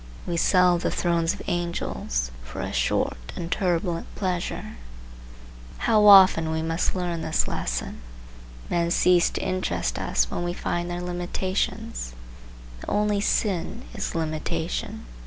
We sell the thrones of angels for a short and turbulent pleasure. How often must we learn this lesson? Men cease to interest us when we find their limitations. The only sin is limitation.